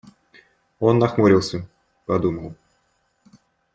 Он нахмурился, подумал.